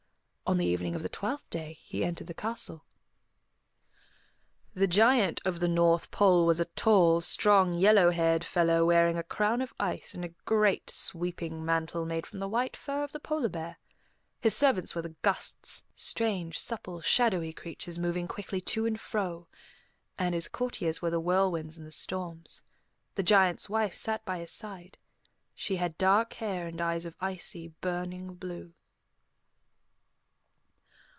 On the evening of the twelfth day he entered the castle. The Giant of the North Pole was a tall, strong, yellow haired fellow wearing a crown of ice and a great sweeping mantle made from the white fur of the polar bear. His servants were the Gusts, strange, supple, shadowy creatures moving quickly to and fro, and his courtiers were the whirlwinds and the storms. The Giant's wife sat by his side; she had dark hair and eyes of icy, burning blue.